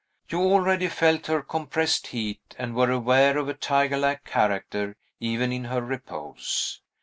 You already felt her compressed heat, and were aware of a tiger like character even in her repose.